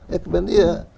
ya keben dia